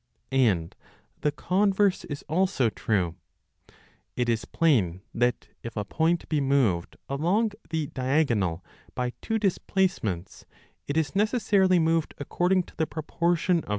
And the converse is also true. It is plain that, if a point be moved along the diagonal by two displacements, it is necessarily moved according to the proportion of the sides 1 848 12.